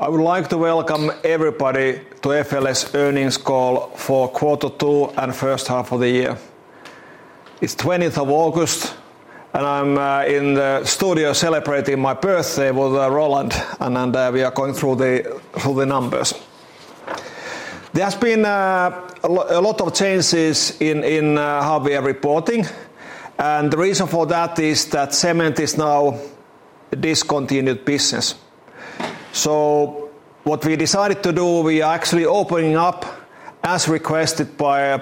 I would like to welcome everybody to FLS earnings call for quarter two and first half of the year. It's the 20th of August, and I'm in the studio celebrating my birthday with Roland, and we are going through the numbers. There has been a lot of changes in how we are reporting, and the reason for that is that Cement is now discontinued business. What we decided to do, we are actually opening up, as requested by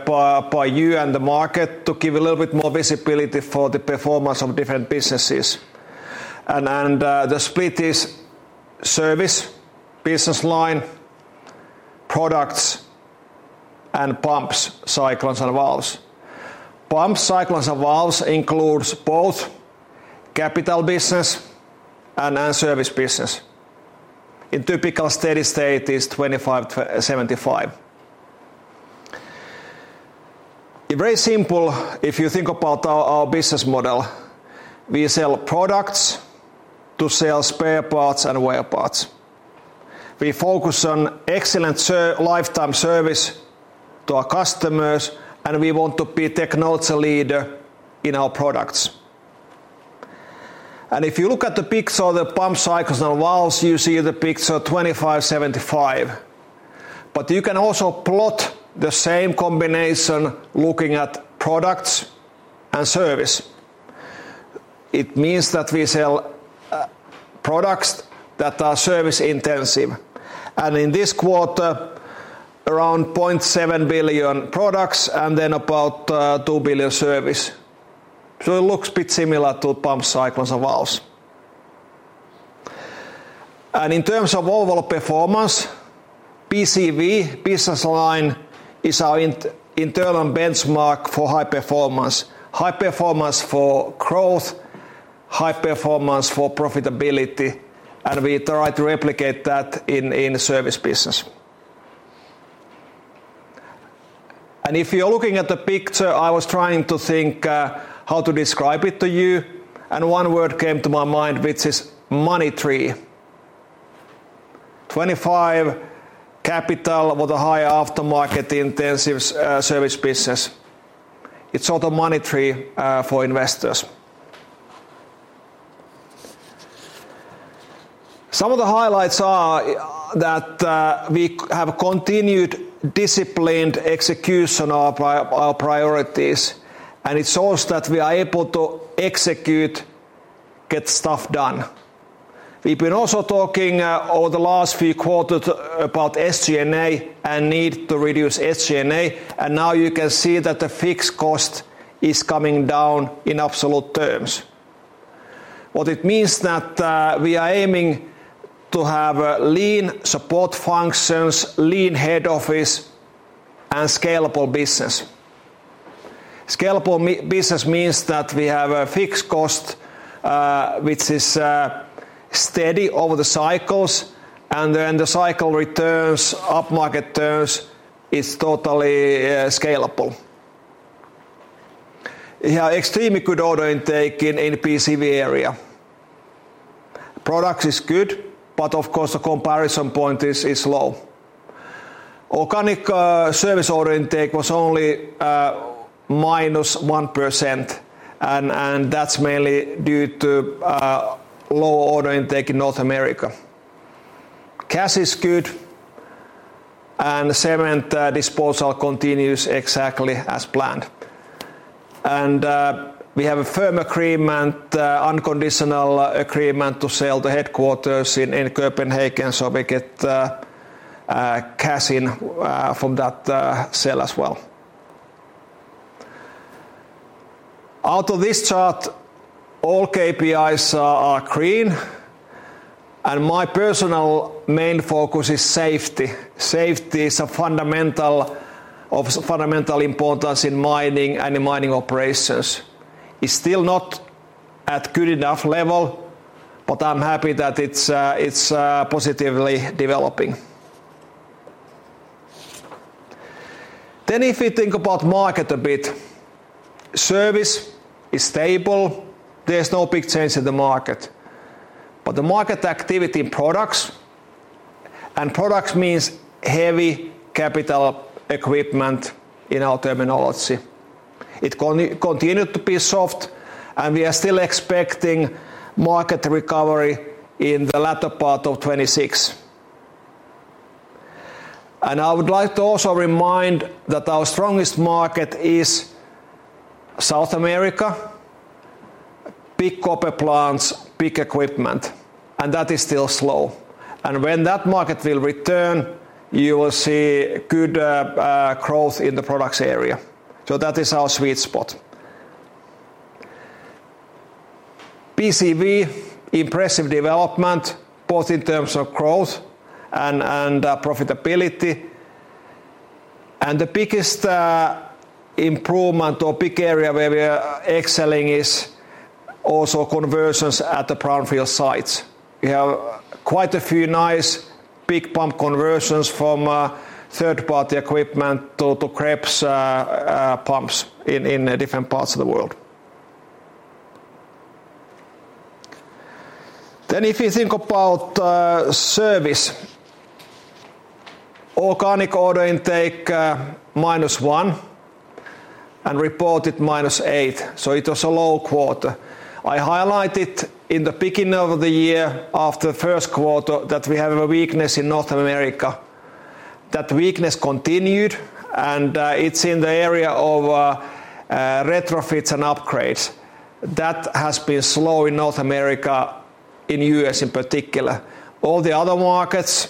you and the market, to give a little bit more visibility for the performance of different businesses. The split is Service, business line, Product, and Pumps, Cyclones & Valves. Pumps, Cyclones & Valves includes both capital business and service business. In typical steady state, it's 25%, 75%. It's very simple. If you think about our business model, we sell products to sell spare parts and wear parts. We focus on excellent lifetime service to our customers, and we want to be technology leader in our products. If you look at the picture of the Pumps, Cyclones & Valves, you see the picture 25%, 75%. You can also plot the same combination looking at Product and Service. It means that we sell products that are service intensive. In this quarter, around 0.7 billion Product and then about 2 billion Service. It looks a bit similar to Pumps, Cyclones & Valves. In terms of overall performance, PCV business line is our internal benchmark for high performance. High performance for growth, high performance for profitability, and we try to replicate that in Service business. If you're looking at the picture, I was trying to think how to describe it to you, and one word came to my mind, which is money tree. 25% capital with a high aftermarket intensive service business. It's sort of money tree for investors. Some of the highlights are that we have continued disciplined execution of our priorities, and it shows that we are able to execute, get stuff done. We've been also talking over the last few quarters about SG&A and need to reduce SG&A, and now you can see that the fixed cost is coming down in absolute terms. What it means is that we are aiming to have lean support functions, lean head office, and scalable business. Scalable business means that we have a fixed cost, which is steady over the cycles, and then the cycle returns, upmarket turns, it's totally scalable. We have extremely good order intake in the PCV area. Product is good, but of course, the comparison point is low. Organic service order intake was only -1%, and that's mainly due to low order intake in North America. Cash is good, and cement disposal continues exactly as planned. We have a firm, unconditional agreement to sell the headquarters in Copenhagen, so we get cash in from that sale as well. Out of this chart, all KPIs are green, and my personal main focus is safety. Safety is of fundamental importance in mining and in mining operations. It's still not at a good enough level, but I'm happy that it's positively developing. If you think about the market a bit, service is stable. There's no big change in the market. The market activity in products, and products means heavy capital equipment in our terminology, continued to be soft, and we are still expecting market recovery in the latter part of 2026. I would like to also remind that our strongest market is South America, big copper plants, big equipment, and that is still slow. When that market will return, you will see good growth in the products area. That is our sweet spot. PCV, impressive development, both in terms of growth and profitability. The biggest improvement or big area where we are excelling is also conversions at the brownfield sites. We have quite a few nice big pump conversions from third-party equipment to Krebs pumps in different parts of the world. If you think about service, organic order intake -1% and reported -8%. It was a low quarter. I highlighted in the beginning of the year after the first quarter that we have a weakness in North America. That weakness continued, and it's in the area of retrofits and upgrades. That has been slow in North America, in the U.S. in particular. All the other markets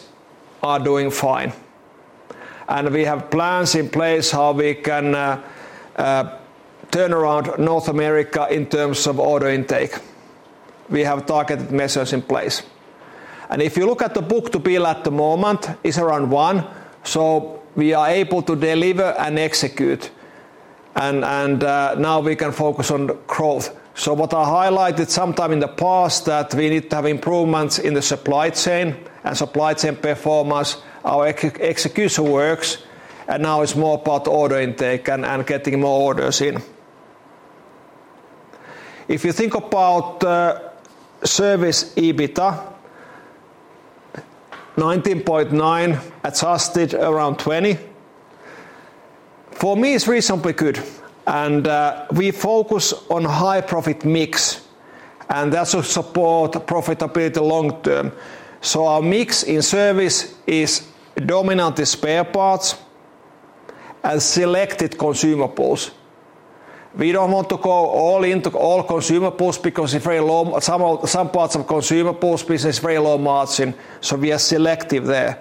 are doing fine. We have plans in place how we can turn around North America in terms of order intake. We have targeted measures in place. If you look at the book to bill at the moment, it's around one. We are able to deliver and execute, and now we can focus on growth. What I highlighted sometime in the past is that we need to have improvements in the supply chain and supply chain performance, our execution works, and now it's more about order intake and getting more orders in. If you think about service EBITDA, 19.9%, adjusted around 20%. For me, it's reasonably good. We focus on a high-profit mix, and that's to support profitability long term. Our mix in Service is dominantly spare parts and selected consumables. We don't want to go all into all consumables because some parts of the consumables business is very low margin, so we are selective there.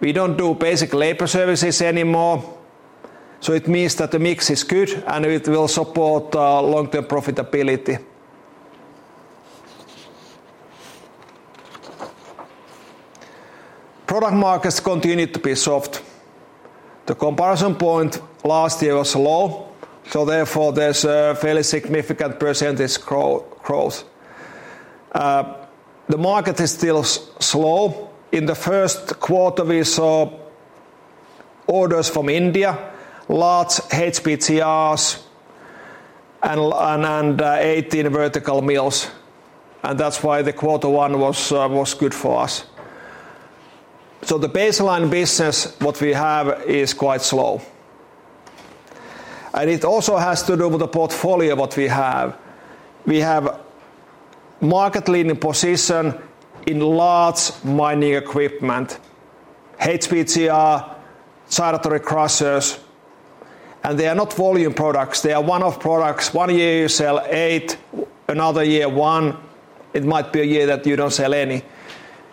We don't do basic labor services anymore. It means that the mix is good, and it will support long-term profitability. Product markets continue to be soft. The comparison point last year was low, so therefore there's a fairly significant percentage growth. The market is still slow. In the first quarter, we saw orders from India, lots of HPGRs, and 18 vertical mills. That's why the quarter one was good for us. The baseline business, what we have, is quite slow. It also has to do with the portfolio of what we have. We have a market-leading position in lots of mining equipment, HPGR, secondary crushers, and they are not volume products. They are one-off products. One year you sell eight, another year one. It might be a year that you don't sell any.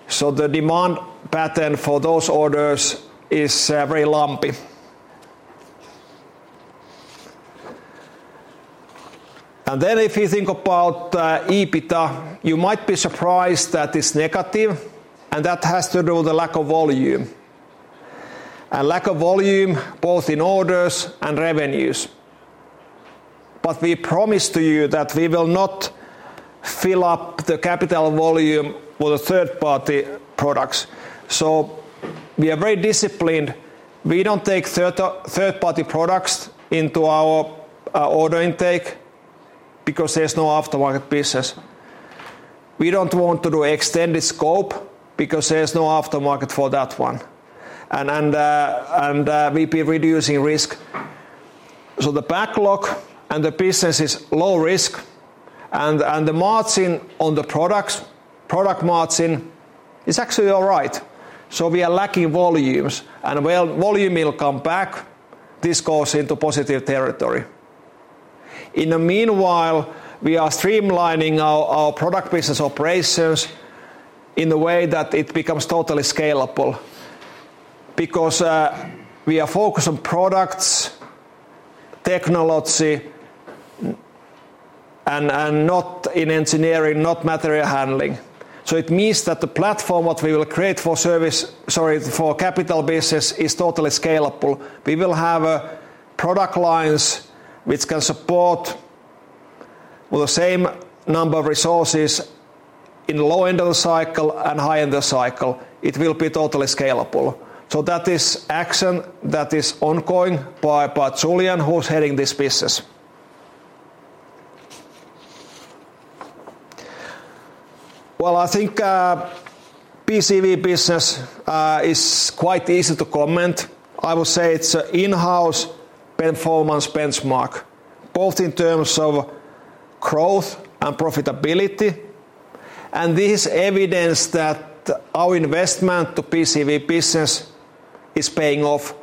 The demand pattern for those orders is very lumpy. If you think about EBITDA, you might be surprised that it's negative, and that has to do with the lack of volume. Lack of volume both in orders and revenues. We promise to you that we will not fill up the capital volume with third-party products. We are very disciplined. We don't take third-party products into our order intake because there's no aftermarket business. We don't want to do extended scope because there's no aftermarket for that one. We've been reducing risk. The backlog and the business is low risk, and the margin on the products, product margin is actually all right. We are lacking volumes, and when volume will come back, this goes into positive territory. In the meanwhile, we are streamlining our Product business operations in a way that it becomes totally scalable because we are focused on products, technology, and not in engineering, not material handling. It means that the platform what we will create for Service, sorry, for capital business is totally scalable. We will have product lines which can support with the same number of resources in the low end of the cycle and high end of the cycle. It will be totally scalable. That is action that is ongoing by Julian, who's heading this business. I think PCV business is quite easy to comment. I would say it's an in-house performance benchmark, both in terms of growth and profitability. This is evidence that our investment to PCV business is paying off.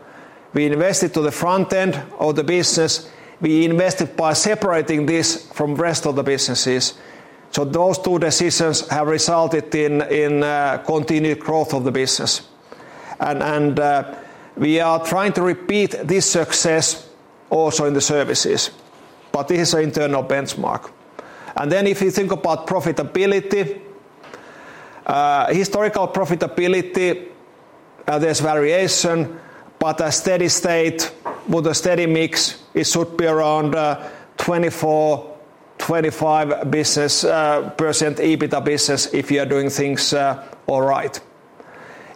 We invested to the front end of the business. We invested by separating this from the rest of the businesses. Those two decisions have resulted in continued growth of the business. We are trying to repeat this success also in the services. This is an internal benchmark. If you think about profitability, historical profitability, there's variation, but a steady state with a steady mix, it should be around 24%, 25% EBITDA if you are doing things all right.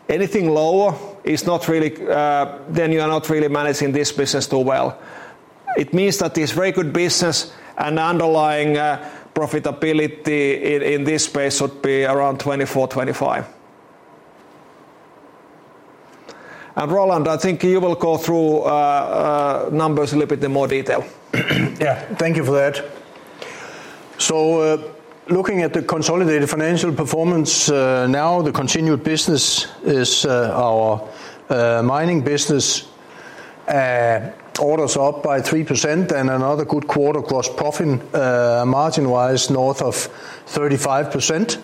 Anything lower is not really, then you are not really managing this business too well. It means that it's a very good business, and the underlying profitability in this space would be around 24%, 25%. Roland, I think you will go through numbers a little bit in more detail. Yeah, thank you for that. Looking at the consolidated financial performance now, the continued business is our mining business. Orders up by 3% and another good quarter gross profit margin-wise north of 35%.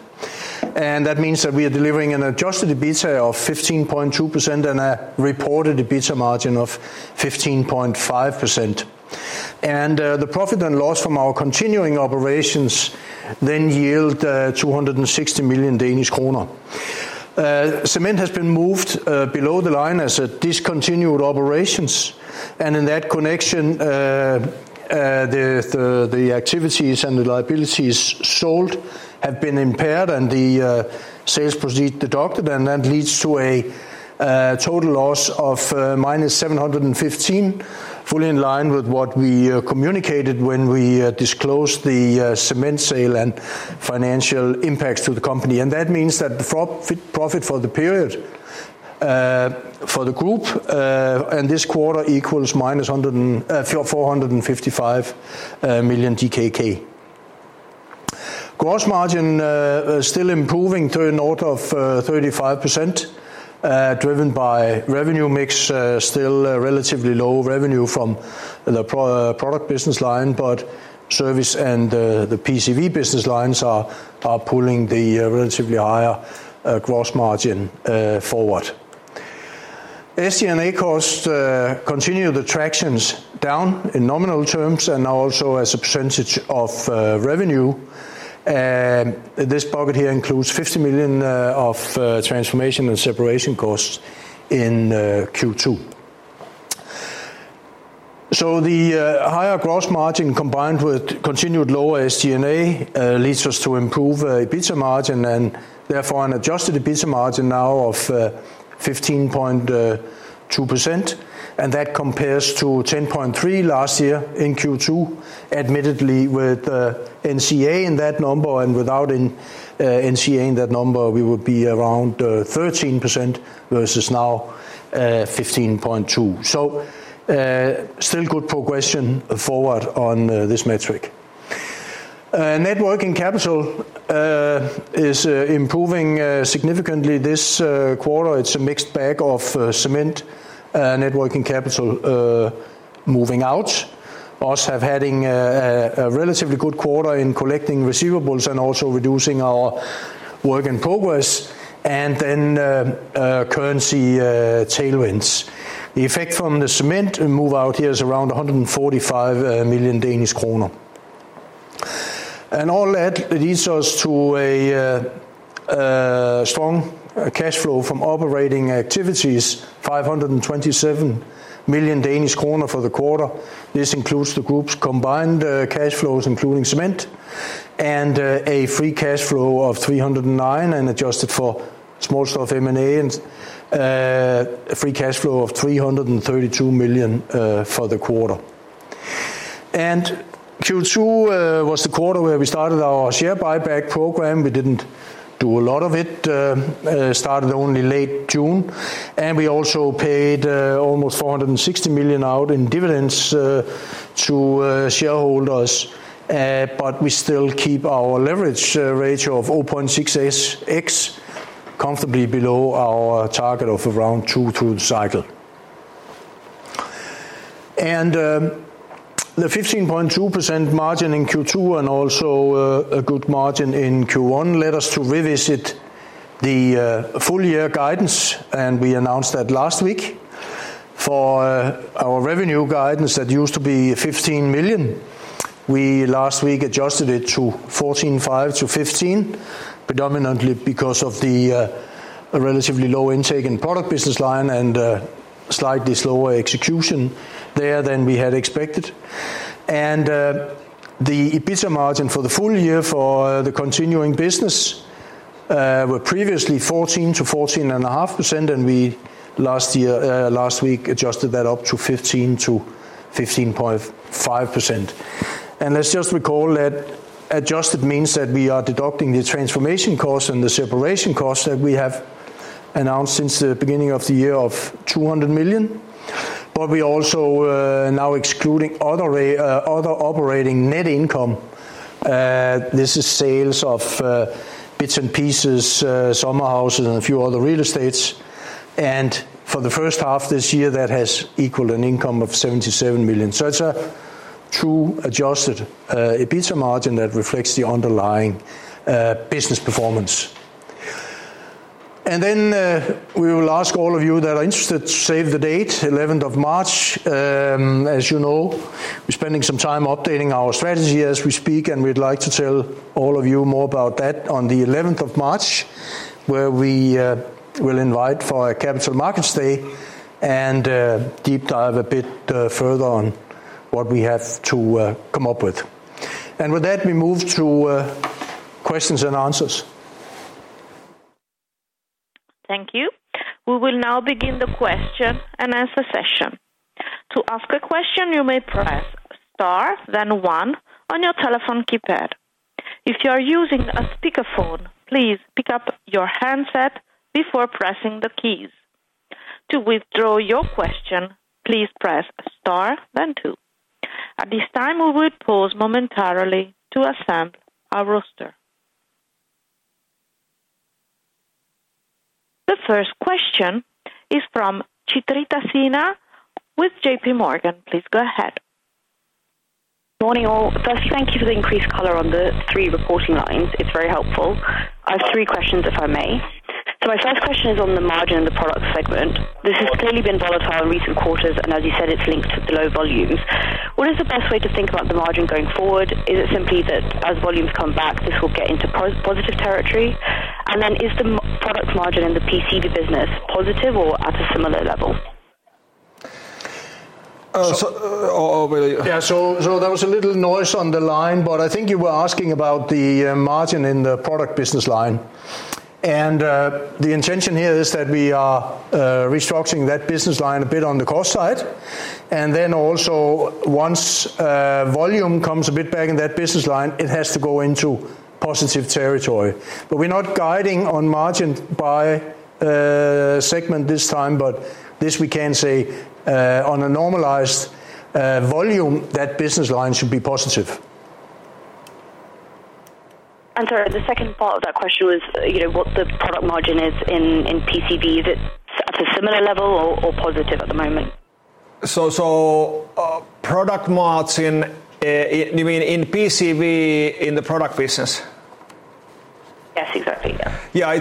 That means that we are delivering an adjusted EBITDA of 15.2% and a reported EBITDA margin of 15.5%. The profit and loss from our continuing operations then yield 260 million Danish kroner. Cement has been moved below the line as a discontinued operation. In that connection, the activities and the liabilities sold have been impaired and the sales proceeds deducted, and that leads to a total loss of minus 715 million, fully in line with what we communicated when we disclosed the cement sale and financial impacts to the company. That means that the profit for the period for the group and this quarter equals minus 455 million DKK. Gross margin is still improving to a note of 35%, driven by revenue mix, still relatively low revenue from the Product business line, but Service and the Pumps, Cyclones & Valves business lines are pulling the relatively higher gross margin forward. SG&A costs continue the tractions down in nominal terms and now also as a percentage of revenue. This bucket here includes 50 million of transformation and separation costs in Q2. The higher gross margin combined with continued lower SG&A leads us to improve EBITDA margin and therefore an adjusted EBITDA margin now of 15.2%. That compares to 10.3% last year in Q2. Admittedly, with NCA in that number and without NCA in that number, we would be around 13% versus now 15.2%. Still good progression forward on this metric. Net working capital is improving significantly this quarter. It's a mixed bag of cement net working capital moving out. We have had a relatively good quarter in collecting receivables and also reducing our work in progress, and then currency tailwinds. The effect from the cement move out here is around 145 million Danish kroner. All that leads us to a strong cash flow from operating activities, 527 million Danish kroner for the quarter. This includes the group's combined cash flows, including cement, and a free cash flow of 309 million and adjusted for small stuff M&A, a free cash flow of 332 million for the quarter. Q2 was the quarter where we started our share buyback program. We didn't do a lot of it. Started only late June. We also paid almost 460 million out in dividends to shareholders. We still keep our leverage ratio of 0.6x comfortably below our target of around 2x through the cycle. The 15.2% margin in Q2 and also a good margin in Q1 led us to revisit the full-year guidance. We announced last week for our revenue guidance that used to be 15 billion. We last week adjusted it to 14.5 billion-15 billion, predominantly because of the relatively low intake in the Product business line and slightly slower execution there than we had expected. The EBITDA margin for the full year for the continuing business was previously 14%14.5%, and we last week adjusted that up to 15%-15.5%. Let's just recall that adjusted means that we are deducting the transformation costs and the separation costs that we have announced since the beginning of the year of 200 million. We are also now excluding other operating net income. This is sales of bits and pieces, summer houses, and a few other real estates. For the first half this year, that has equaled an income of 77 million. It's a true adjusted EBITDA margin that reflects the underlying business performance. We will ask all of you that are interested to save the date, 11th of March. As you know, we're spending some time updating our strategy as we speak, and we'd like to tell all of you more about that on the 11th of March, where we will invite for a capital markets day and deep dive a bit further on what we have to come up with. With that, we move to questions and answers. Thank you. We will now begin the question and answer session. To ask a question, you may press star, then one on your telephone keypad. If you are using a speaker phone, please pick up your handset before pressing the keys. To withdraw your question, please press star, then two. At this time, we will pause momentarily to assemble our roster. The first question is from Chitrita Sinha with JPMorgan. Please go ahead. Morning all. First, thank you for the increased color on the three reporting lines. It's very helpful. I have three questions, if I may. My first question is on the margin in the Product segment. This has clearly been volatile in recent quarters, and as you said, it's linked to low volumes. What is the best way to think about the margin going forward? Is it simply that as volumes come back, this will get into positive territory? Is the Product margin in the Pumps, Cyclones & Valves business positive or at a similar level? There was a little noise on the line, but I think you were asking about the margin in the Product business line. The intention here is that we are restructuring that business line a bit on the cost side. Also, once volume comes a bit back in that business line, it has to go into positive territory. We're not guiding on margin by segment this time, but this we can say on a normalized volume, that business line should be positive. I'm sorry, the second part of that question was what the product margin is in PCV. Is it at a similar level or positive at the moment? You mean product margin in PCV, in the product business? Yes, exactly. Yeah,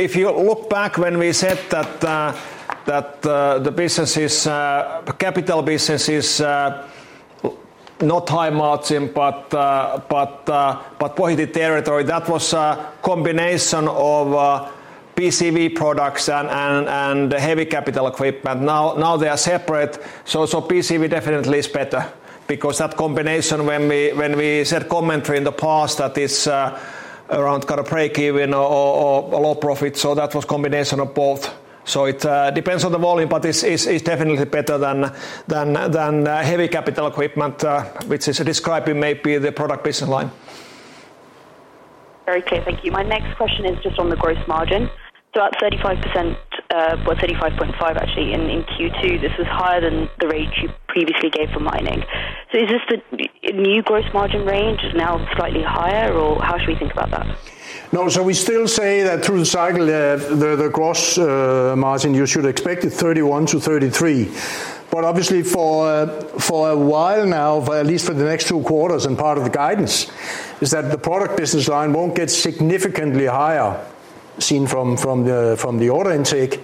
if you look back when we said that the capital business is not high margin, but positive territory, that was a combination of PCV products and the heavy capital equipment. Now they are separate. PCV definitely is better because that combination, when we said commentary in the past, that it's around kind of break-even or low profit, that was a combination of both. It depends on the volume, but it's definitely better than heavy capital equipment, which is described in maybe the product business line. Very clear, thank you. My next question is just on the gross margin. At 35%, 35.5% actually in Q2, this was higher than the rate you previously gave for mining. Is this the new gross margin range now, slightly higher, or how should we think about that? No, we still say that through the cycle, the gross margin you should expect is 31%-33%. Obviously, for a while now, at least for the next two quarters and part of the guidance, the Product business line won't get significantly higher seen from the order intake.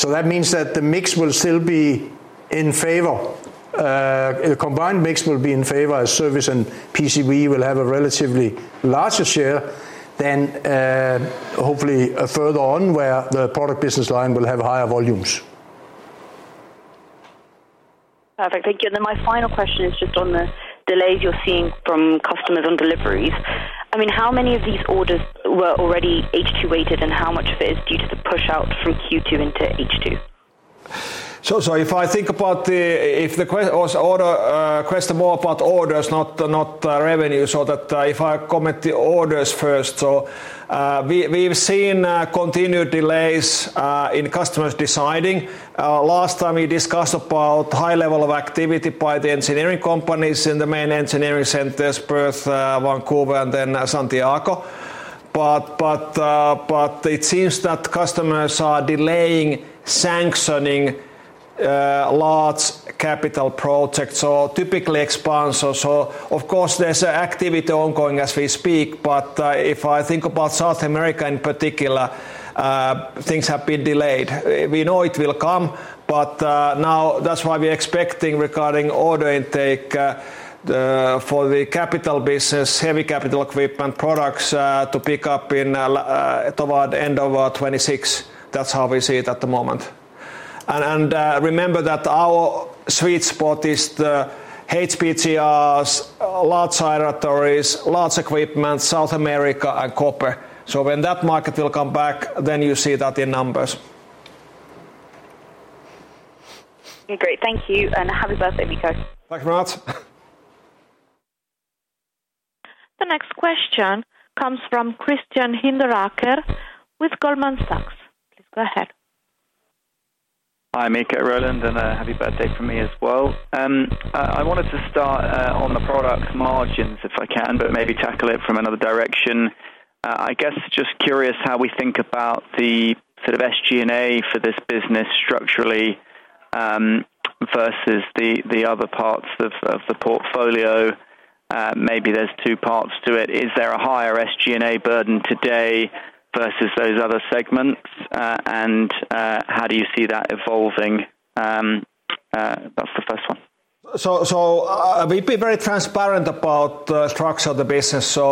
That means the mix will still be in favor. The combined mix will be in favor as Service and PCV will have a relatively larger share than hopefully further on where the Product business line will have higher volumes. Perfect, thank you. My final question is just on the delays you're seeing from customers on deliveries. How many of these orders were already H2 weighted, and how much of it is due to the push-out from Q2 into H2? If the question was more about orders, not revenue, I will comment on the orders first. We've seen continued delays in customers deciding. Last time, we discussed a high level of activity by the engineering companies in the main engineering centers: Perth, Vancouver, and then Santiago. It seems that customers are delaying sanctioning large capital projects, typically expansion. There is activity ongoing as we speak. If I think about South America in particular, things have been delayed. We know it will come, which is why we're expecting order intake for the capital business, heavy capital equipment products, to pick up toward the end of 2026. That's how we see it at the moment. Remember that our sweet spot is the HPGRs, large circulatories, large equipment, South America, and copper. When that market comes back, you will see that in numbers. Great, thank you. Happy birthday, Mikko. Thanks very much. The next question comes from Christian Hinderaker with Goldman Sachs. Please go ahead. Hi, Mikko, Roland, and happy birthday from me as well. I wanted to start on the product margins if I can, but maybe tackle it from another direction. I guess just curious how we think about the sort of SG&A for this business structurally versus the other parts of the portfolio. Maybe there's two parts to it. Is there a higher SG&A burden today versus those other segments? How do you see that evolving? We have been very transparent about the tracks of the business. We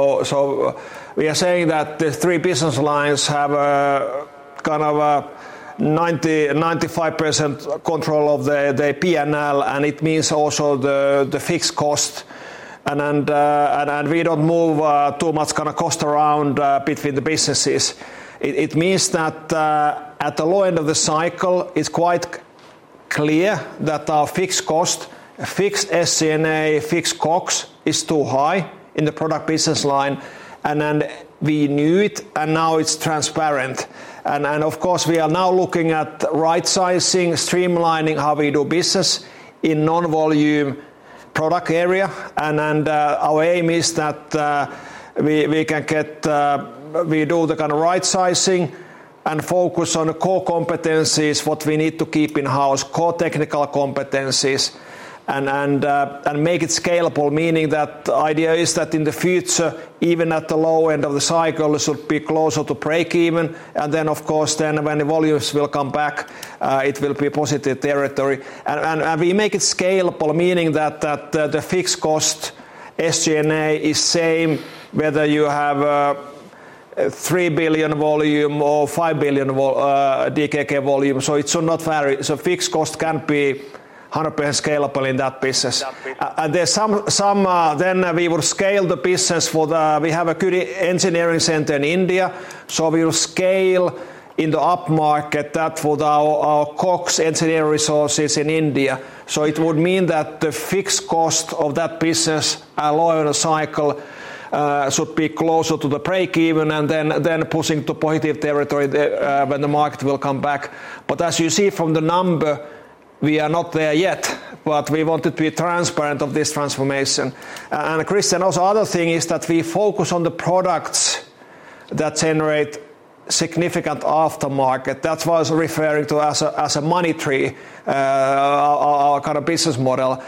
are saying that the three business lines have a kind of 95% control of the P&L, and it means also the fixed cost. We do not move too much kind of cost around between the businesses. It means that at the low end of the cycle, it is quite clear that our fixed cost, fixed SG&A, fixed COGS is too high in the Product business line. We knew it, and now it is transparent. Of course, we are now looking at right-sizing, streamlining how we do business in non-volume Product area. Our aim is that we can get, we do the kind of right-sizing and focus on core competencies, what we need to keep in-house, core technical competencies, and make it scalable. The idea is that in the future, even at the low end of the cycle, it should be closer to break-even. When the volumes will come back, it will be positive territory. We make it scalable, meaning that the fixed cost SG&A is the same whether you have a 3 billion volume or 5 billion DKK volume. It should not vary. Fixed cost can be 100% scalable in that business. We would scale the business for the, we have a good engineering center in India. We will scale in the upmarket that for our COGS engineering resources in India. It would mean that the fixed cost of that business, lower in a cycle, should be closer to the break-even and then pushing to positive territory when the market will come back. As you see from the number, we are not there yet, but we wanted to be transparent of this transformation. Christian, also the other thing is that we focus on the products that generate significant aftermarket. That is what I was referring to as a money tree, our kind of business model.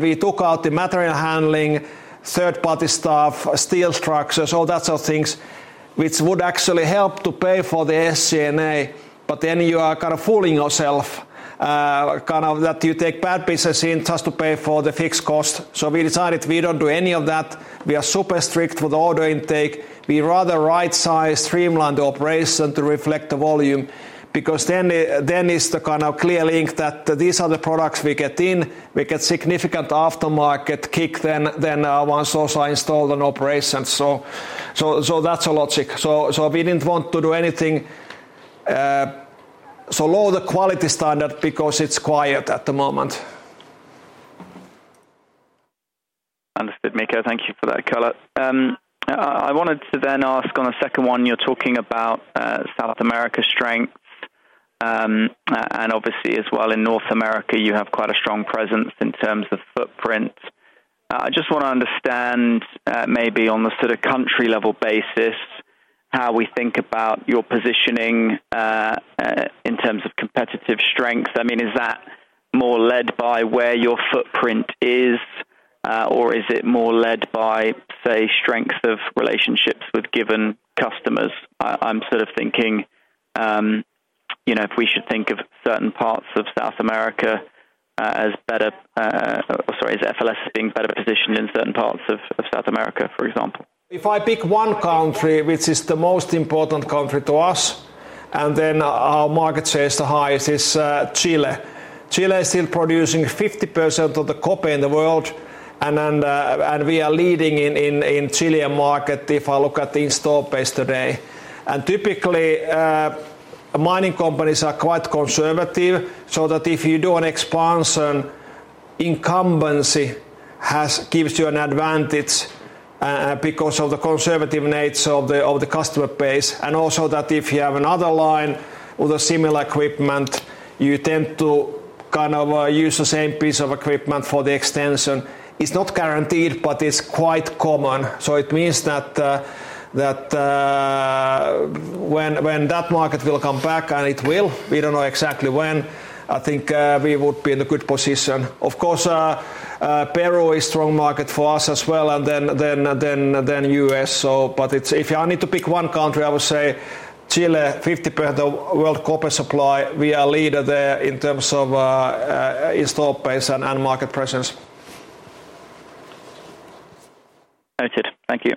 We took out the material handling, third-party stuff, steel structures, all that sort of things, which would actually help to pay for the SG&A. You are kind of fooling yourself, kind of that you take bad business in just to pay for the fixed cost. We decided we do not do any of that. We are super strict with the order intake. We rather right-size, streamline the operation to reflect the volume because then it is the kind of clear link that these are the products we get in. We get significant aftermarket kick then once also installed on operations. That is our logic. We did not want to do anything to lower the quality standard because it is quiet at the moment. Understood, Mikko. Thank you for that cut out. I wanted to then ask on the second one, you're talking about South America strength. Obviously, as well in North America, you have quite a strong presence in terms of footprint. I just want to understand maybe on the sort of country-level basis how we think about your positioning in terms of competitive strengths. Is that more led by where your footprint is, or is it more led by, say, strength of relationships with given customers? I'm sort of thinking, you know, if we should think of certain parts of South America as better, or sorry, as FLS being better positioned in certain parts of South America, for example. If I pick one country, which is the most important country to us, and then our market share is the highest, is Chile. Chile is still producing 50% of the copper in the world. We are leading in the Chilean market if I look at the install base today. Typically, mining companies are quite conservative, so if you do an expansion, incumbency gives you an advantage because of the conservative nature of the customer base. Also, if you have another line with similar equipment, you tend to use the same piece of equipment for the extension. It's not guaranteed, but it's quite common. It means that when that market will come back, and it will, we don't know exactly when, I think we would be in a good position. Of course, Peru is a strong market for us as well, and then the U.S. If I need to pick one country, I would say Chile, 50% of the world copper supply. We are a leader there in terms of install base and market presence. Noted. Thank you.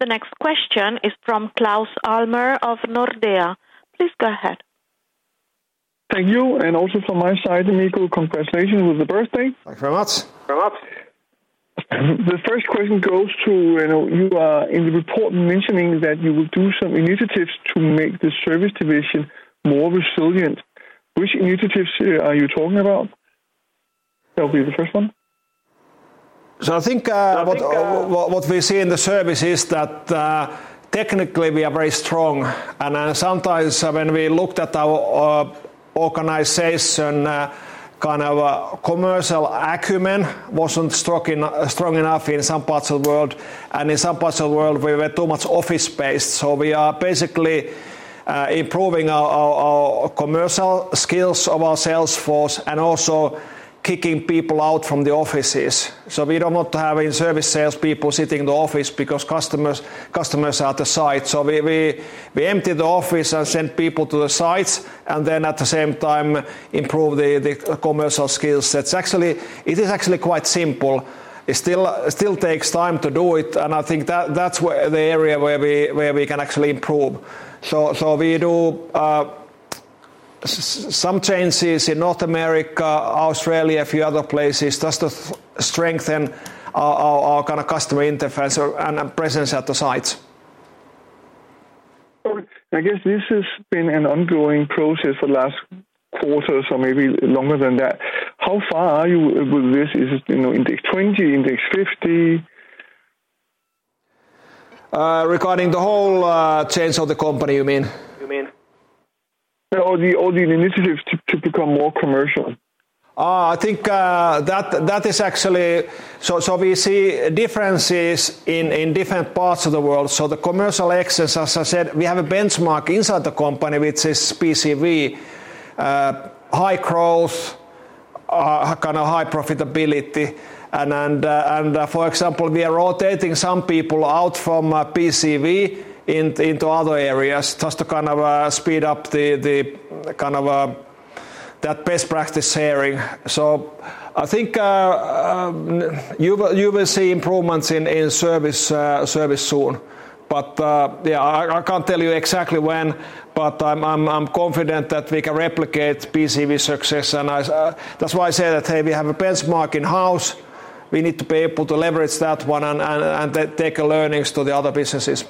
The next question is from Klaus Almer of Nordea. Please go ahead. Thank you. Also from my side, Mikko, congratulations with the birthday. Thanks very much. The first question goes to you. You are in the report mentioning that you will do some initiatives to make the Service division more resilient. Which initiatives are you talking about? That would be the first one. I think what we see in the service is that technically we are very strong. Sometimes when we looked at our organization, kind of commercial acumen wasn't strong enough in some parts of the world. In some parts of the world, we were too much office-based. We are basically improving our commercial skills of our sales force and also kicking people out from the offices. We don't want to have in-service salespeople sitting in the office because customers are at the site. We empty the office and send people to the sites, and at the same time, improve the commercial skill sets. Actually, it is quite simple. It still takes time to do it. I think that's the area where we can actually improve. We do some changes in North America, Australia, a few other places, just to strengthen our kind of customer interface and presence at the sites. I guess this has been an ongoing process for the last quarter, so maybe longer than that. How far are you with this? Is it index 20%, index 50%? Regarding the whole change of the company, you mean? The initiative to become more commercial. I think that is actually, we see differences in different parts of the world. The commercial excess, as I said, we have a benchmark inside the company, which is PCV, high growth, kind of high profitability. For example, we are rotating some people out from PCV into other areas just to speed up that best practice sharing. I think you will see improvements in service soon. I can't tell you exactly when, but I'm confident that we can replicate PCV success. That's why I said that we have a benchmark in-house. We need to be able to leverage that one and take learnings to the other businesses.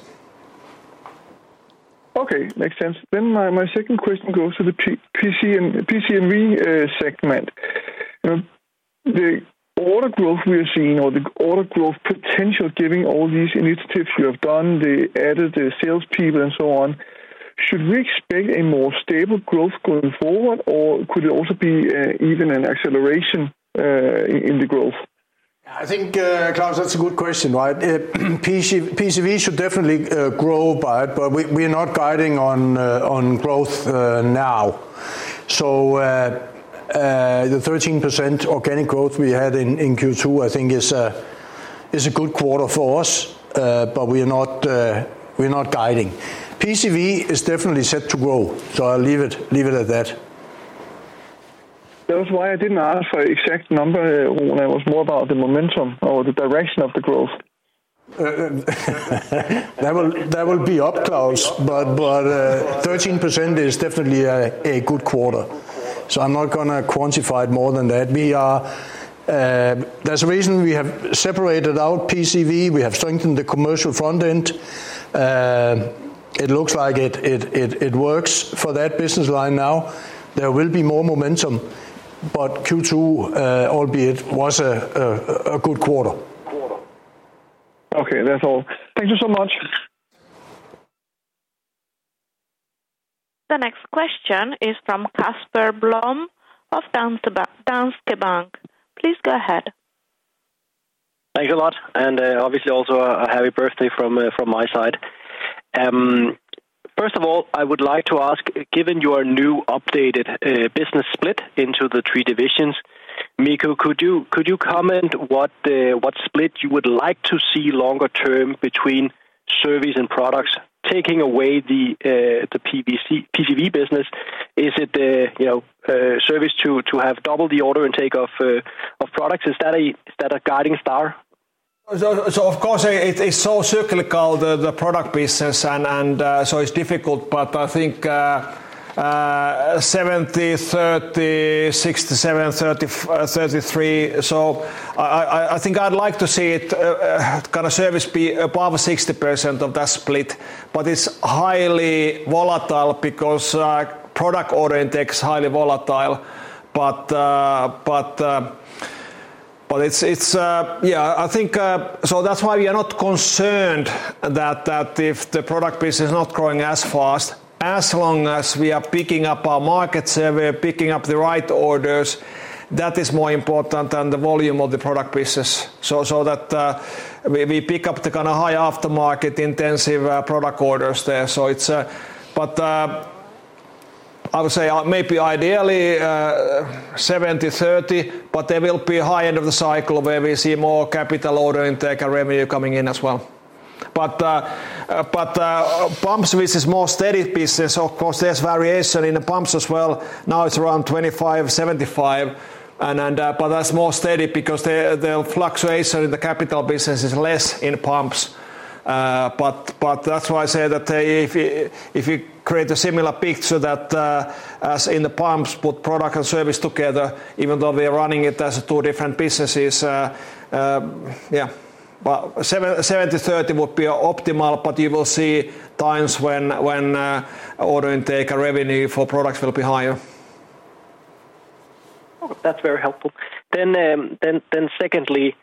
Okay, makes sense. My second question goes to the PCV segment. The order growth we're seeing or the order growth potential given all these initiatives you have done, the added salespeople and so on, should we expect a more stable growth going forward, or could it also be even an acceleration in the growth? I think, Klaus, that's a good question, right? PCV should definitely grow, but we are not guiding on growth now. The 13% organic growth we had in Q2, I think, is a good quarter for us, but we are not guiding. PCV is definitely set to grow, so I'll leave it at that. That was why I didn't ask for an exact number. I was more about the momentum or the direction of the growth. That will be up, Klaus, but 13% is definitely a good quarter. I'm not going to quantify it more than that. There's a reason we have separated out PCV. We have strengthened the commercial front end. It looks like it works for that business line now. There will be more momentum, but Q2, albeit, was a good quarter. Okay, that's all. Thank you so much. The next question is from Casper Blom of Danske Bank. Please go ahead. Thanks a lot. Obviously, also a happy birthday from my side. First of all, I would like to ask, given your new updated business split into the three divisions, Mikko, could you comment what split you would like to see longer term between service and products, taking away the PCV business? Is it service to have double the order intake of products? Is that a guiding star? Of course, it's so circular called the product business, and so it's difficult. I think 70/30, 67/33. I think I'd like to see it kind of service be above 60% of that split. It's highly volatile because product order intake is highly volatile. I think that's why we are not concerned that if the product business is not growing as fast, as long as we are picking up our markets, we're picking up the right orders. That is more important than the volume of the product business, so that we pick up the kind of high aftermarket intensive product orders there. I would say maybe ideally 70/30, but there will be a high end of the cycle where we see more capital order intake and revenue coming in as well. Pumps, which is a more steady business, of course, there's variation in the pumps as well. Now it's around 25/75. That's more steady because the fluctuation in the capital business is less in pumps. That's why I say that if you create a similar picture that as in the pumps, put product and service together, even though they're running it as two different businesses, 70/30 would be optimal, but you will see times when order intake and revenue for products will be higher. That's very helpful. Secondly,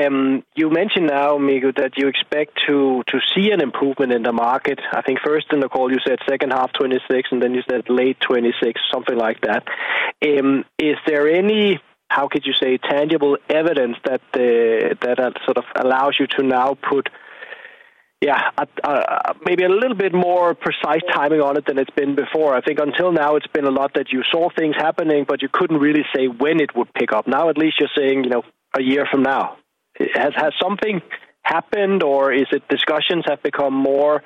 you mentioned now, Mikko, that you expect to see an improvement in the market. I think first in the call, you said second half 2026, and then you said late 2026, something like that. Is there any, how could you say, tangible evidence that that sort of allows you to now put, yeah, maybe a little bit more precise timing on it than it's been before? I think until now, it's been a lot that you saw things happening, but you couldn't really say when it would pick up. Now at least you're saying, you know, a year from now. Has something happened or is it discussions have become more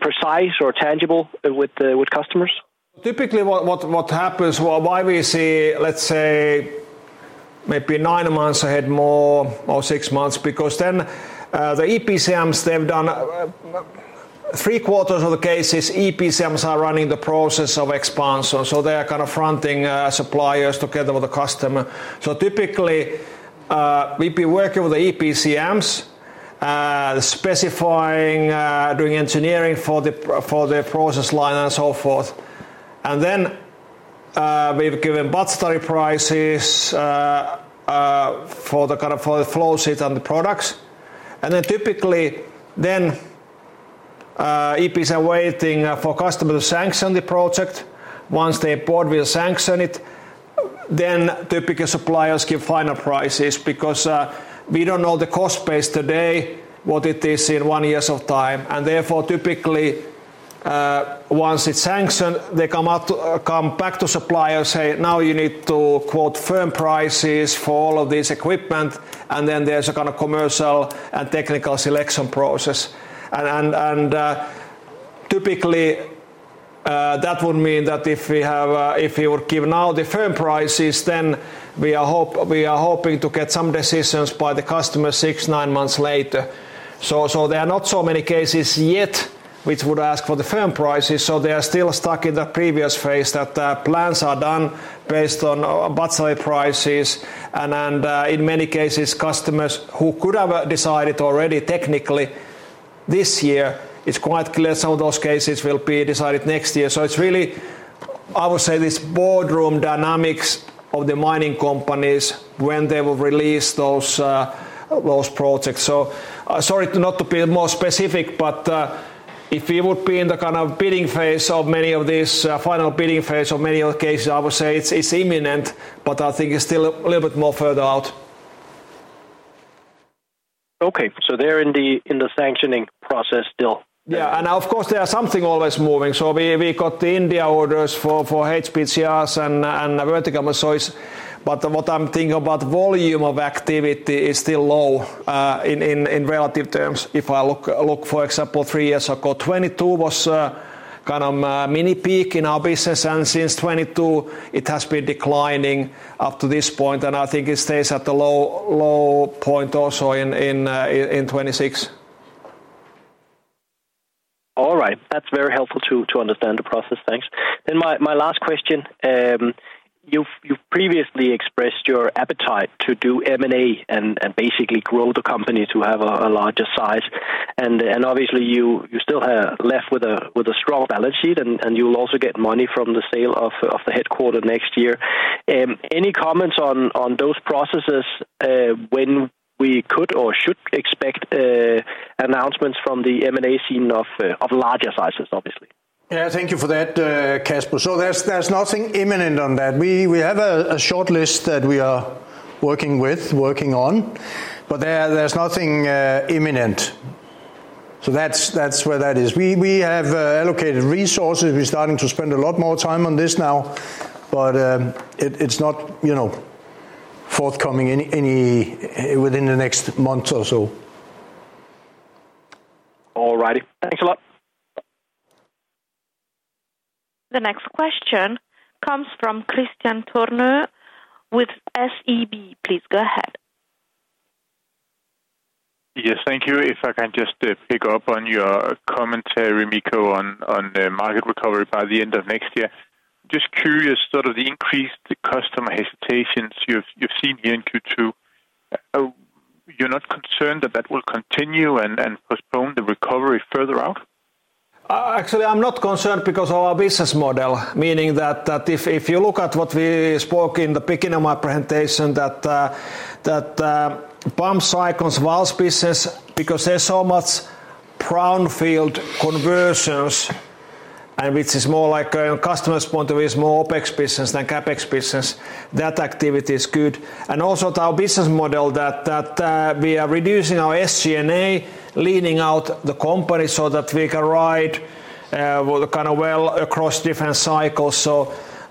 precise or tangible with customers? Typically, what happens, why we see, let's say, maybe nine months ahead more or six months, because then the EPCMs, they've done three quarters of the cases, EPCMs are running the process of expansion. They are kind of fronting suppliers together with the customer. Typically, we've been working with the EPCMs, specifying, doing engineering for the process line and so forth. We've given buzz story prices for the kind of flow sheet and the products. Typically, EPCMs are waiting for customers to sanction the project. Once their board will sanction it, typically, suppliers give final prices because we don't know the cost base today, what it is in one year's time. Therefore, typically, once it's sanctioned, they come back to suppliers, say, now you need to quote firm prices for all of this equipment. There's a kind of commercial and technical selection process. Typically, that would mean that if you were given now the firm prices, then we are hoping to get some decisions by the customer six, nine months later. There are not so many cases yet which would ask for the firm prices. They are still stuck in the previous phase that plans are done based on buzz story prices. In many cases, customers who could have decided already technically this year, it's quite clear some of those cases will be decided next year. It's really, I would say, this boardroom dynamics of the mining companies when they will release those projects. Sorry not to be more specific, but if we would be in the kind of bidding phase of many of these, final bidding phase of many of the cases, I would say it's imminent, but I think it's still a little bit more further out. Okay, they're in the sanctioning process still. Yeah, of course, there's something always moving. We got the India orders for HPGRs and vertical massages. What I'm thinking about, volume of activity is still low in relative terms. If I look, for example, three years ago, 2022 was kind of a mini peak in our business. Since 2022, it has been declining up to this point. I think it stays at the low point also in 2026. All right, that's very helpful to understand the process. Thanks. My last question, you've previously expressed your appetite to do M&A and basically grow the company to have a larger size. Obviously, you still have left with a strong balance sheet, and you'll also get money from the sale of the headquarter next year. Any comments on those processes, when we could or should expect announcements from the M&A scene of larger sizes, obviously? Thank you for that, Casper. There's nothing imminent on that. We have a shortlist that we are working with, working on, but there's nothing imminent. That's where that is. We have allocated resources. We're starting to spend a lot more time on this now, but it's not forthcoming within the next month or so. All righty, thanks a lot. The next question comes from Kristian Tornøe with SEB. Please go ahead. Yes, thank you. If I can just pick up on your commentary, Mikko, on the market recovery by the end of next year. Just curious, sort of the increased customer hesitations you've seen here in Q2, you're not concerned that that will continue and postpone the recovery further out? Actually, I'm not concerned because of our business model, meaning that if you look at what we spoke in the beginning of my presentation, that Pumps, Cyclones & Valves business, because there's so much brownfield conversions, and which is more like a customer's point of view, is more OpEx business than CapEx business, that activity is good. Also, our business model that we are reducing our SG&A, leaning out the company so that we can ride with a kind of well across different cycles.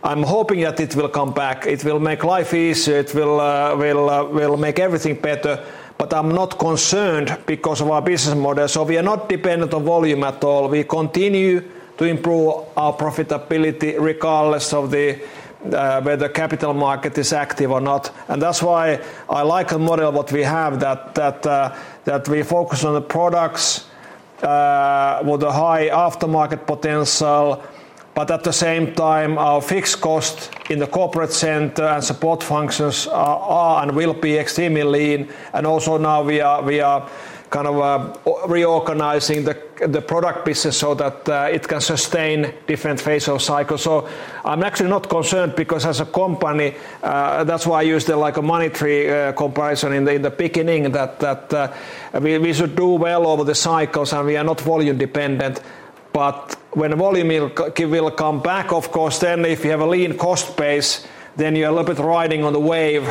I'm hoping that it will come back. It will make life easier. It will make everything better. I'm not concerned because of our business model. We are not dependent on volume at all. We continue to improve our profitability regardless of whether the capital market is active or not. That's why I like the model of what we have, that we focus on the products with a high aftermarket potential. At the same time, our fixed cost in the corporate center and support functions are and will be extremely lean. Also, now we are kind of reorganizing the Product business so that it can sustain different phases of cycles. I'm actually not concerned because as a company, that's why I used a monetary comparison in the beginning that we should do well over the cycles and we are not volume dependent. When volume will come back, of course, then if you have a lean cost base, then you're a little bit riding on the wave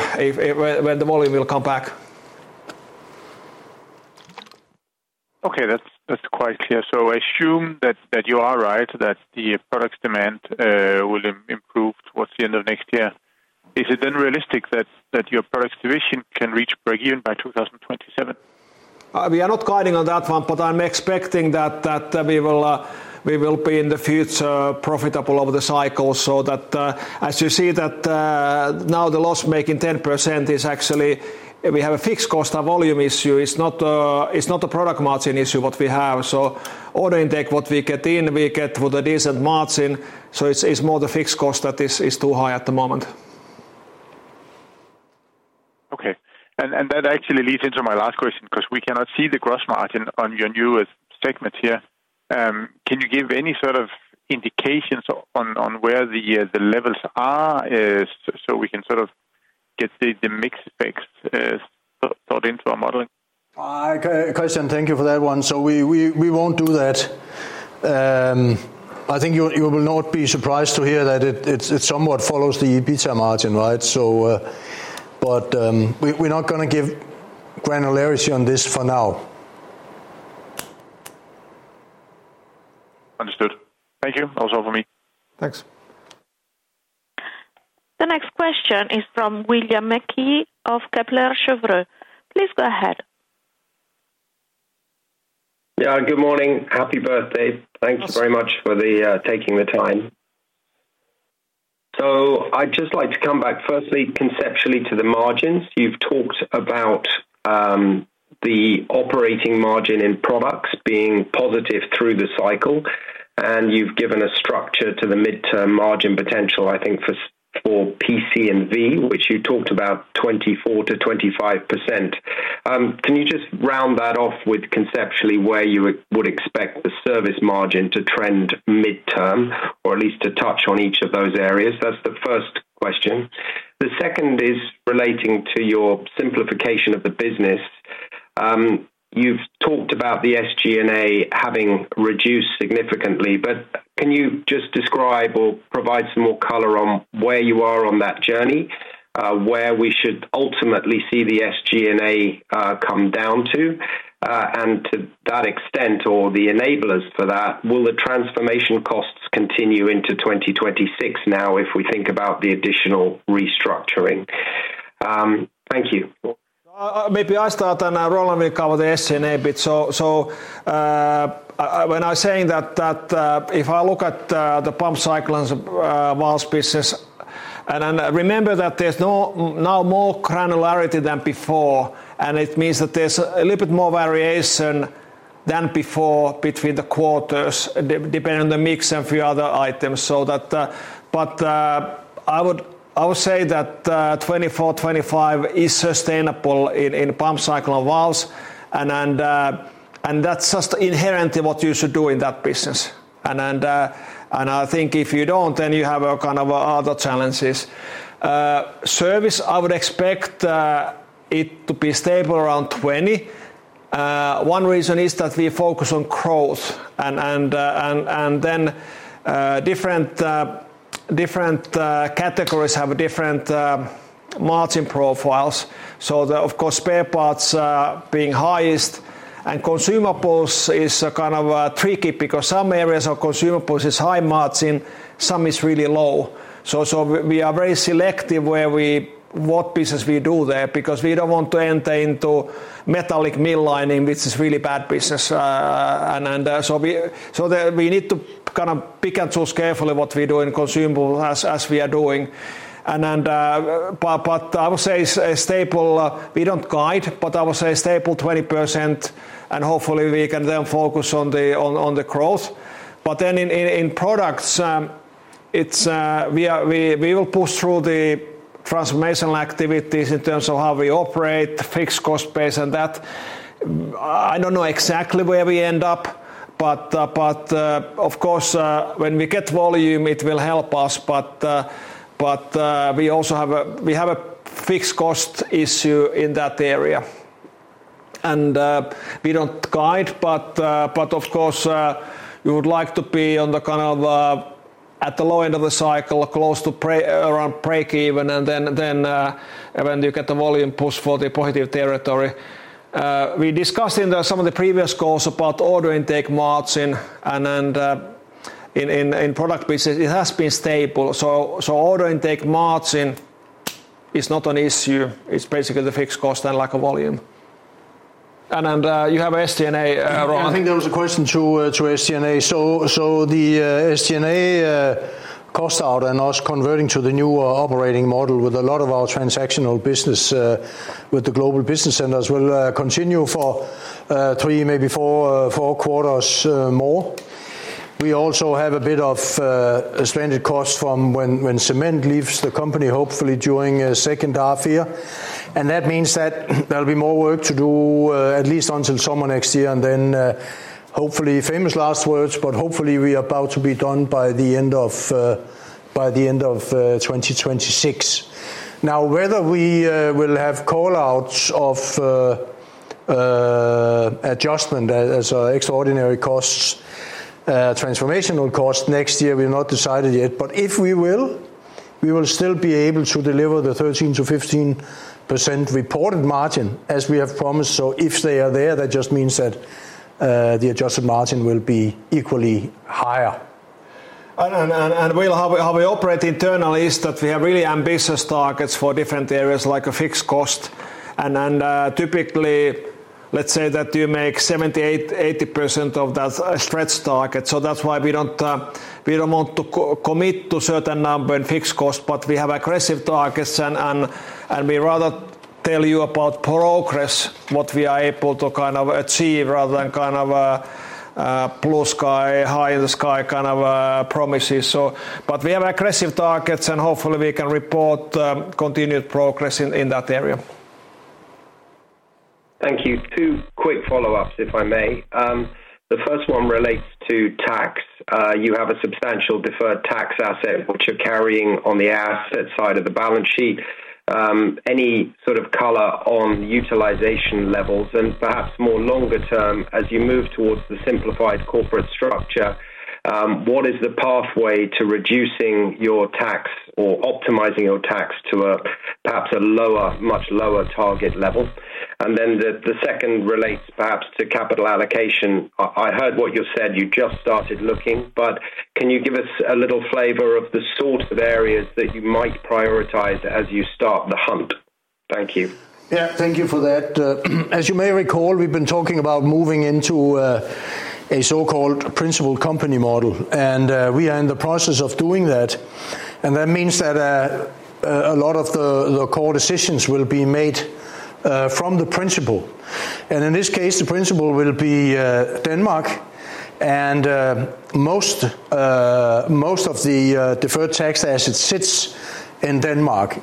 when the volume will come back. Okay, that's quite clear. I assume that you are right that the product demand will improve towards the end of next year. Is it unrealistic that your Product division can reach break-even by 2027? We are not guiding on that one, but I'm expecting that we will be in the future profitable over the cycle. As you see that now the loss making 10% is actually, we have a fixed cost of volume issue. It's not a product margin issue what we have. Order intake, what we get in, we get with a decent margin. It's more the fixed cost that is too high at the moment. Okay. That actually leads into my last question because we cannot see the gross margin on your newest segment here. Can you give any sort of indications on where the levels are so we can sort of get the mixed effects thought into? Christian, thank you for that one. We will not do that. I think you will not be surprised to hear that it somewhat follows the EPC margin, right? We are not going to give granularity on this for now. Understood. Thank you. That was all for me. Thanks. The next question is from William Mackie of Kepler Cheuvreux. Please go ahead. Yeah, good morning. Happy birthday. Thanks very much for taking the time. I'd just like to come back firstly conceptually to the margins. You've talked about the operating margin in Product being positive through the cycle, and you've given a structure to the mid-term margin potential, I think, for PCV, which you talked about 24%-25%. Can you just round that off with conceptually where you would expect the Service margin to trend mid-term, or at least to touch on each of those areas? That's the first question. The second is relating to your simplification of the business. You've talked about the SG&A having reduced significantly, but can you just describe or provide some more color on where you are on that journey, where we should ultimately see the SG&A come down to? To that extent, or the enablers for that, will the transformation costs continue into 2026 now if we think about the additional restructuring? Thank you. Maybe I start and then Roland will cover the SG&A bit. When I was saying that if I look at the Pumps, Cyclones & Valves spaces, and then remember that there's now more granularity than before, it means that there's a little bit more variation than before between the quarters, depending on the mix and a few other items. I would say that 24%, 25% is sustainable in Pumps, Cyclones & Valves. That's just inherently what you should do in that business. I think if you don't, then you have a kind of other challenges. Service, I would expect it to be stable around 20%. One reason is that we focus on growth. Different categories have different margin profiles. Of course, spare parts being highest, and consumables is kind of tricky because some areas of consumables is high margin, some is really low. We are very selective where we, what business we do there because we don't want to enter into metallic mill lining, which is really bad business. We need to kind of pick and choose carefully what we do in consumables as we are doing. I would say it's stable. We don't guide, but I would say stable 20%, and hopefully we can then focus on the growth. In Product, we will push through the transformational activities in terms of how we operate, fixed cost base, and that. I don't know exactly where we end up, but of course, when we get volume, it will help us. We also have a fixed cost issue in that area. We don't guide, but of course, you would like to be on the kind of at the low end of the cycle, close to around break-even, and when you get the volume push for the positive territory. We discussed in some of the previous calls about order intake margin, and in Product business, it has been stable. Order intake margin is not an issue. It's basically the fixed cost and lack of volume. You have SG&A, Roland. I think there was a question to SG&A. The SG&A cost out and us converting to the new operating model with a lot of our transactional business with the global business centers will continue for three, maybe four quarters more. We also have a bit of a stranded cost from when cement leaves the company, hopefully during the second half year. That means there'll be more work to do at least until summer next year. Hopefully, famous last words, but hopefully we are about to be done by the end of 2026. Whether we will have callouts of adjustment as extraordinary costs, transformational costs next year, we've not decided yet. If we will, we will still be able to deliver the 13%-15% reported margin as we have promised. If they are there, that just means that the adjusted margin will be equally higher. How we operate internally is that we have really ambitious targets for different areas like fixed cost. Typically, let's say that you make 78%, 80% of that stretch target. That's why we don't want to commit to a certain number in fixed cost, but we have aggressive targets. We rather tell you about progress, what we are able to kind of achieve rather than kind of blue sky, high sky kind of promises. We have aggressive targets, and hopefully we can report continued progress in that area. Thank you. Two quick follow-ups, if I may. The first one relates to tax. You have a substantial deferred tax asset, which you're carrying on the asset side of the balance sheet. Any sort of color on utilization levels and perhaps more longer term as you move towards the simplified corporate structure? What is the pathway to reducing your tax or optimizing your tax to perhaps a lower, much lower target level? The second relates perhaps to capital allocation. I heard what you said. You just started looking, but can you give us a little flavor of the sort of areas that you might prioritize as you start the hunt? Thank you. Yeah, thank you for that. As you may recall, we've been talking about moving into a so-called principal company model. We are in the process of doing that. That means that a lot of the core decisions will be made from the principal. In this case, the principal will be Denmark. Most of the deferred tax assets sit in Denmark.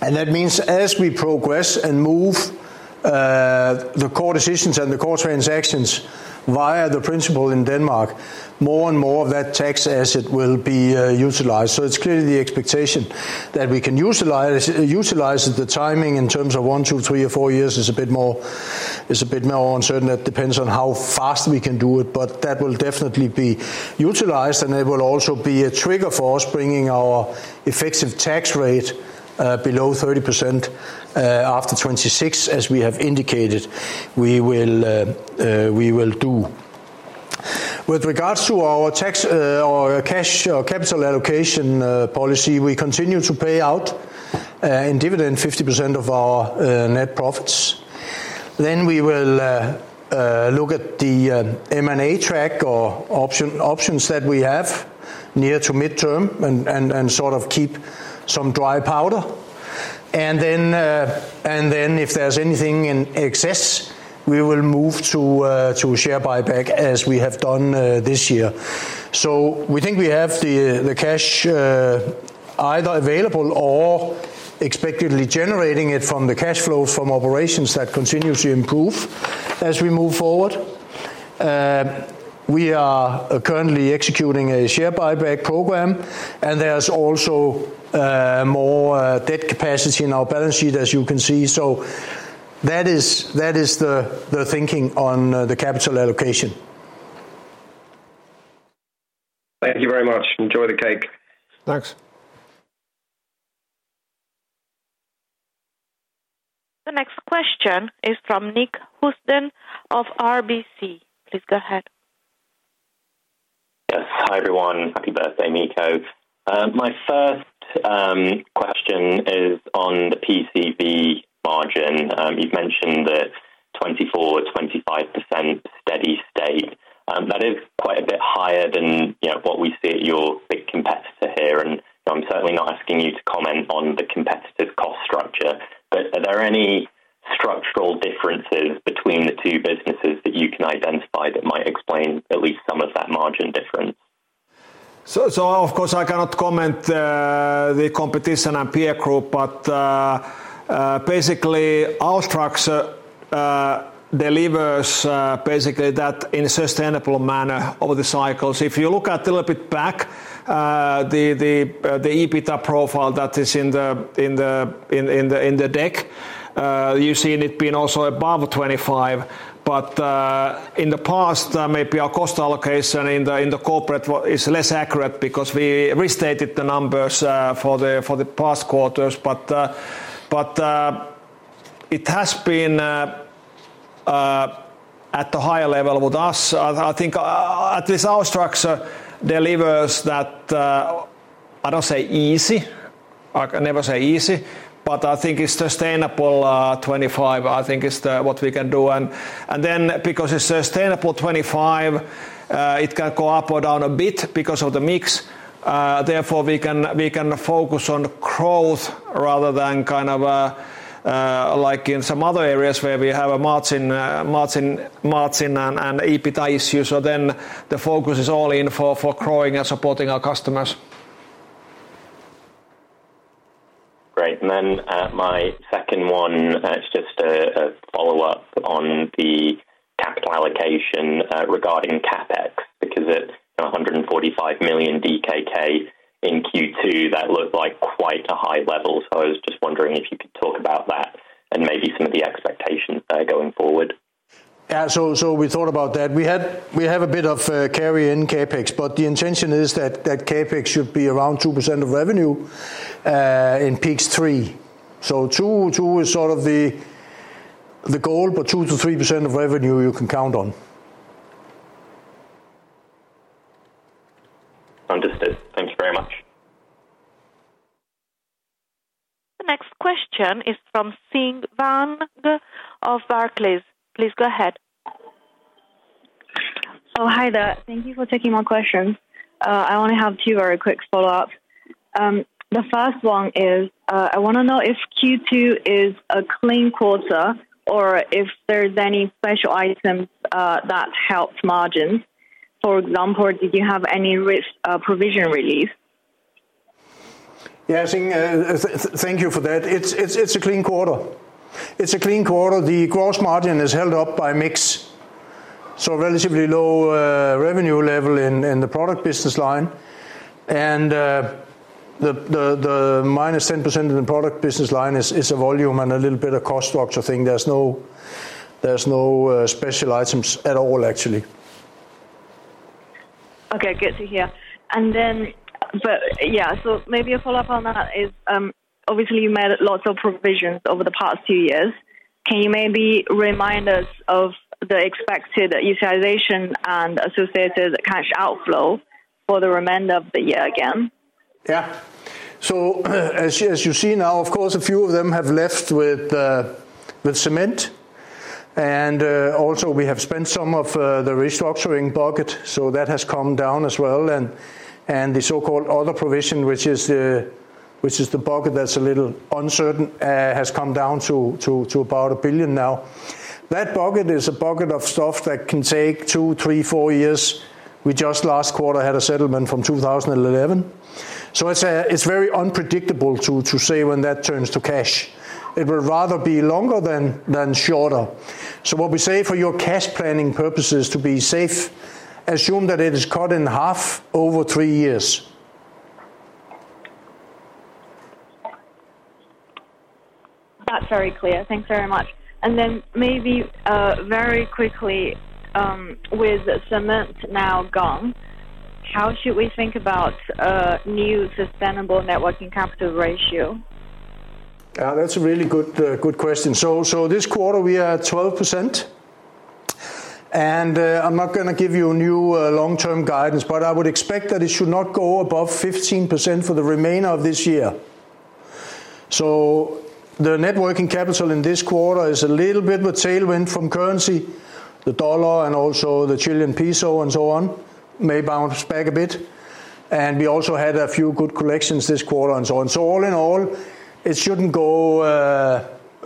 That means as we progress and move the core decisions and the core transactions via the principal in Denmark, more and more of that tax asset will be utilized. It's clearly the expectation that we can utilize it. The timing in terms of one, two, three, or four years is a bit more uncertain. That depends on how fast we can do it, but that will definitely be utilized. It will also be a trigger for us bringing our effective tax rate below 30% after 2026, as we have indicated, we will do. With regards to our tax or cash or capital allocation policy, we continue to pay out in dividend 50% of our net profits. We will look at the M&A track or options that we have near to midterm and sort of keep some dry powder. If there's anything in excess, we will move to share buyback as we have done this year. We think we have the cash either available or expectedly generating it from the cash flow from operations that continuously improve as we move forward. We are currently executing a share buyback program, and there's also more debt capacity in our balance sheet, as you can see. That is the thinking on the capital allocation. Thank you very much. Enjoy the cake. Thanks. The next question is from Nick Housden of RBC. Please go ahead. Yes, hi everyone. Happy birthday, Mikko. My first question is on PCV margin. You've mentioned that 24%-25% steady state. That is quite a bit higher than what we see at your big competitor here. I'm certainly not asking you to comment on the competitive cost structure, but are there any structural differences between the two businesses that you can identify that might explain at least some of that margin difference? Of course, I cannot comment on the competition and peer group, but basically, our structure delivers that in a sustainable manner over the cycles. If you look a little bit back, the EBITDA profile that is in the deck, you've seen it being also above 25%. In the past, maybe our cost allocation in the corporate is less accurate because we restated the numbers for the past quarters, but it has been at the higher level with us. I think at least our structure delivers that. I don't say easy. I never say easy, but I think it's sustainable 25%. I think it's what we can do. Because it's sustainable 25%, it can go up or down a bit because of the mix. Therefore, we can focus on growth rather than in some other areas where we have a margin and EBITDA issue. The focus is all in for growing and supporting our customers. Great. My second one, it's just a follow-up on the tax allocation regarding CapEx because at 145 million DKK in Q2, that looked like quite a high level. I was just wondering if you could talk about that and maybe some of the expectations there going forward. Yeah, we thought about that. We have a bit of carry in CapEx, but the intention is that CapEx should be around 2% of revenue in peaks 3%. 2% is sort of the goal, but 2%-3% of revenue you can count on. Understood. Thank you very much. The next question is from Xin Wang of Barclays. Please go ahead. Hi, there. Thank you for taking my question. I want to have two very quick follow-ups. The first one is I want to know if Q2 is a clean quarter or if there's any special items that help margins. For example, did you have any provision release? Yeah, I think thank you for that. It's a clean quarter. It's a clean quarter. The gross margin is held up by mix. Relatively low revenue level in the Product business line, and the -10% in the Product business line is a volume and a little bit of cost structure thing. There's no special items at all, actually. Okay, good to hear. Maybe a follow-up on that is obviously you made lots of provisions over the past two years. Can you maybe remind us of the expected utilization and associated cash outflow for the remainder of the year again? Yeah. As you see now, of course, a few of them have left with cement. We have spent some of the restructuring bucket, so that has come down as well. The so-called other provision, which is the bucket that's a little uncertain, has come down to about 1 billion now. That bucket is a bucket of stuff that can take two, three, four years. We just last quarter had a settlement from 2011. It's very unpredictable to say when that turns to cash. It will rather be longer than shorter. What we say for your cash planning purposes to be safe, assume that it is cut in half over three years. That's very clear. Thanks very much. Maybe very quickly, with cement now gone, how should we think about a new sustainable net working capital ratio? Yeah, that's a really good question. This quarter we are at 12%. I'm not going to give you a new long-term guidance, but I would expect that it should not go above 15% for the remainder of this year. The networking capital in this quarter is a little bit with tailwind from currency. The dollar and also the Chilean peso and so on may bounce back a bit. We also had a few good collections this quarter and so on. All in all, it shouldn't go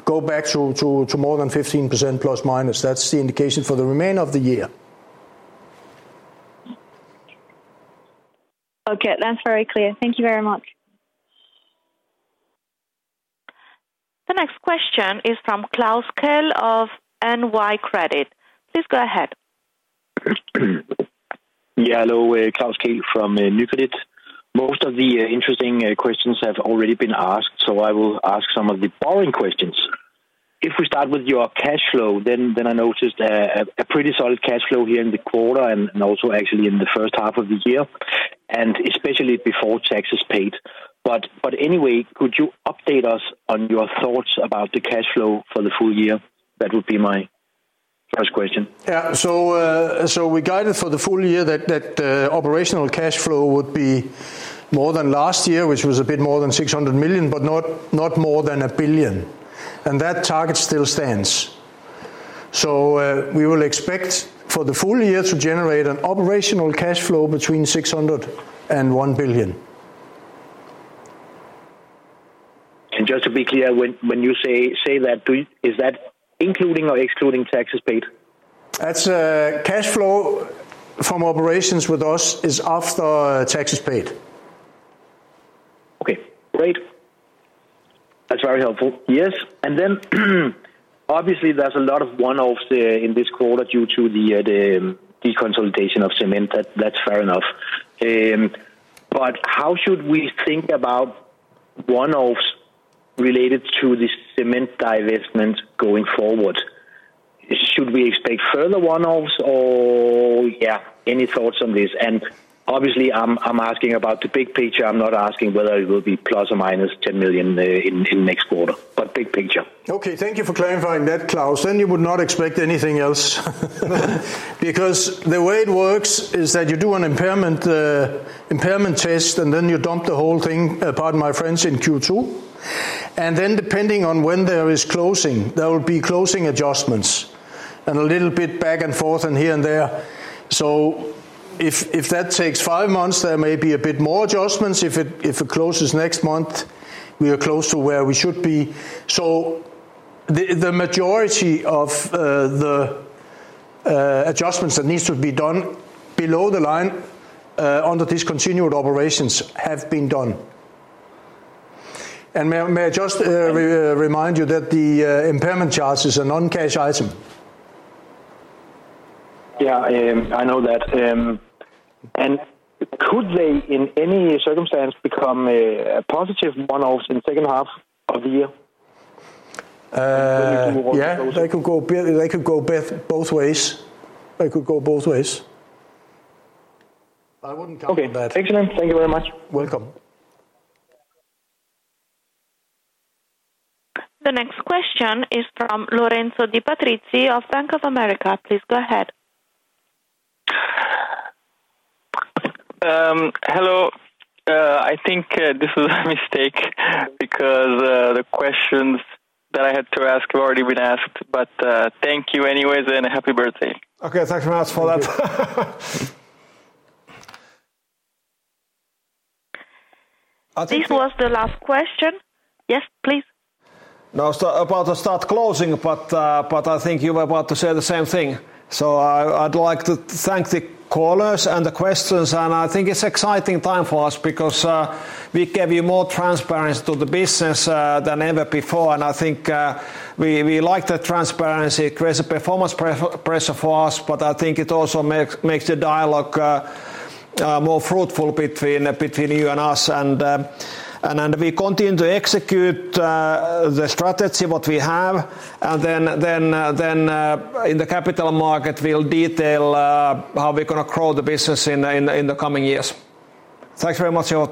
back to more than 15% plus minus. That's the indication for the remainder of the year. Okay, that's very clear. Thank you very much. The next question is from Klaus Kehl of Nykredit. Please go ahead. Yeah, hello, Klaus Kehl from Nykredit. Most of the interesting questions have already been asked, so I will ask some of the boring questions. If we start with your cash flow, then I noticed a pretty solid cash flow here in the quarter and also actually in the first half of the year, and especially before taxes paid. Could you update us on your thoughts about the cash flow for the full year? That would be my first question. Yeah, we guided for the full year that operational cash flow would be more than last year, which was a bit more than 600 million, but not more than 1 billion. That target still stands. We will expect for the full year to generate an operational cash flow between 600 million and 1 billion. To be clear, when you say that, is that including or excluding taxes paid? That's cash flow from operations with us is after taxes paid. Okay, great. That's very helpful. Yes. Obviously, there's a lot of one-offs in this quarter due to the deconsolidation of cement. That's fair enough. How should we think about one-offs related to the cement divestment going forward? Should we expect further one-offs or, yeah, any thoughts on this? Obviously, I'm asking about the big picture. I'm not asking whether it will be ±10 million in the next quarter, but big picture. Okay, thank you for clarifying that, Klaus. You would not expect anything else because the way it works is that you do an impairment test and then you dump the whole thing, pardon my French, in Q2. Depending on when there is closing, there will be closing adjustments and a little bit back and forth here and there. If that takes five months, there may be a bit more adjustments. If it closes next month, we are close to where we should be. The majority of the adjustments that need to be done below the line under discontinued operations have been done. May I just remind you that the impairment charges are a non-cash item? I know that. Could they, in any circumstance, become a positive one-off in the second half of the year? Yeah, they could go both ways. They could go both ways. I wouldn't count on that. Excellent. Thank you very much. Welcome. The next question is from Lorenzo Di Patrizi of Bank of America. Please go ahead. Hello. I think this is a mistake because the questions that I had to ask have already been asked. Thank you anyways and happy birthday. Okay, thanks for that. This was the last question. Yes, please. I was about to start closing, but I think you were about to say the same thing. I'd like to thank the callers and the questions. I think it's an exciting time for us because we give you more transparency to the business than ever before. I think we like that transparency. It creates a performance pressure for us, but I think it also makes the dialogue more fruitful between you and us. We continue to execute the strategy, what we have. In the capital market, we'll detail how we're going to grow the business in the coming years. Thanks very much for your.